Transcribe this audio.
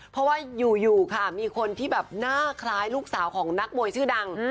เพราะว่าอยู่ค่ะมีคนที่แบบหน้าคล้ายลูกสาวของนักมวยชื่อดัง